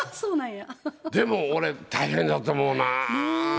でもこれ大変だと思うな。